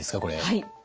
はい。